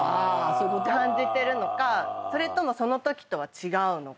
感じてるのかそれともそのときとは違うのか。